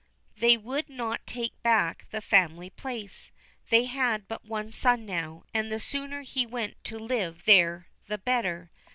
They would not take back the family place. They had but one son now, and the sooner he went to live there the better.